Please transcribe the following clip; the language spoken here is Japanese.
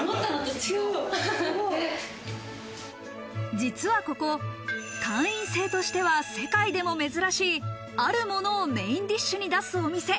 実はここ、会員制としては世界でも珍しいあるものをメインディッシュに出すお店。